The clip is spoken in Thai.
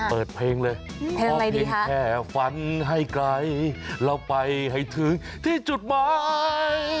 เปิดเพลงเลยขอเพียงแค่ฝันให้ไกลเราไปให้ถึงที่จุดหมาย